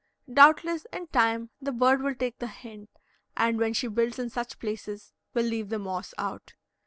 Doubtless in time the bird will take the hint, and when she builds in such places will leave the moss out.